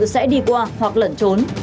sẽ đi qua hoặc lẩn trốn